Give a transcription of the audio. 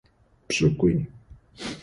Пшӏыкӏуи.